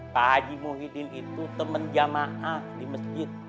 pak haji muhyiddin itu teman jamaah di masjid